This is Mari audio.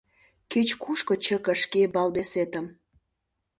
— Кеч-кушко чыке шке балбесетым!